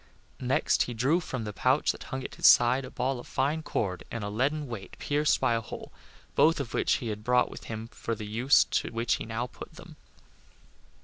Next he drew from the pouch that hung at his side a ball of fine cord and a leaden weight pierced by a hole, both of which he had brought with him for the use to which he now put them.